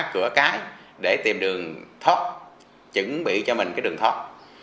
cửa cái để tìm đường thóc chuẩn bị cho mình cái đường thoát